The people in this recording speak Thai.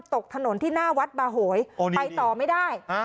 ตกถนนที่หน้าวัดบาโหยไปต่อไม่ได้